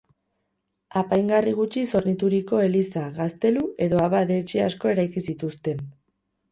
Apaingarri gutxiz hornituriko eliza, gaztelu edo abade-etxe asko eraiki zituzten.